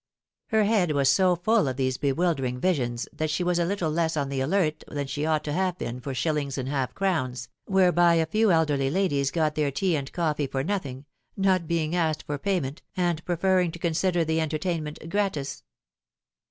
Her head was so full of these bewildering visions that she was a little less on the alert than she ought to have been for shillings and half crowns, whereby a few elderly ladies got their tea and coffee for nothing, not being asked for payment, and preferring to consider the entertainment gratis.